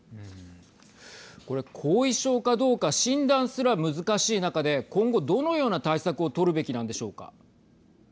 これ後遺症かどうか診断すら難しい中で今後、どのような対策を取るべきなんでしょうか。